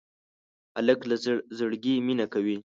هلک له زړګي مینه کوي.